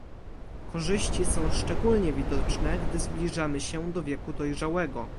Korzyści są szczególnie widoczne, gdy zbliżamy się do wieku dojrzałego